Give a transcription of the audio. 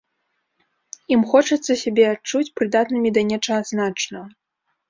Ім хочацца сябе адчуць прыдатнымі да нечага значнага.